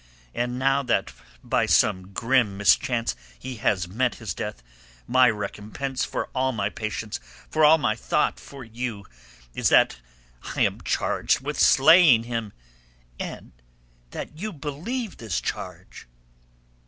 And now that by some grim mischance he has met his death, my recompense for all my patience, for all my thought for you is that I am charged with slaying him, and that you believe this charge."